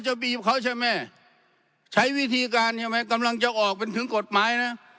บีบเขาใช่ไหมใช้วิธีการใช่ไหมกำลังจะออกเป็นถึงกฎหมายนะ